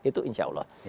itu insya allah